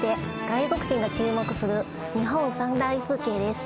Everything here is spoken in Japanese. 「外国人が注目する日本３大風景」です